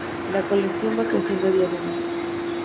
La colección va creciendo diariamente.